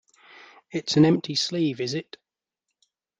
It's an empty sleeve, is it?